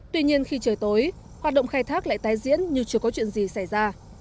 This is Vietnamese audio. tuy nhiên khi trời tối hoạt động khai thác lại tái diễn như chưa có chuyện gì xảy ra